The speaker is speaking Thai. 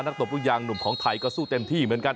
ตบลูกยางหนุ่มของไทยก็สู้เต็มที่เหมือนกัน